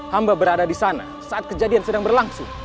hamba berada di sana saat kejadian sedang berlangsung